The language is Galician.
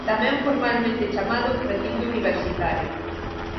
Tamén formalmente chamado "recinto universitario".